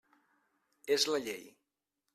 És la llei.